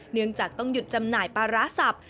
เนื่องจากต้องหยุดจำหน่ายปลาร้าสับ